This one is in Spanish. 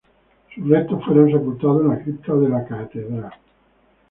Sus restos fueron sepultados en la cripta de la Catedral.